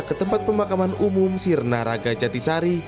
ke tempat pemakaman umum sir naraga jatisari